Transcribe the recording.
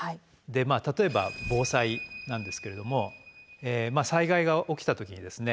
例えば防災なんですけれども災害が起きた時にですね